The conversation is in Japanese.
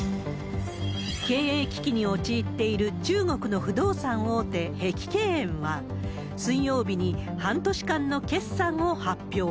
経営危機に陥っている中国の不動産大手、碧桂園は、水曜日に半年間の決算を発表。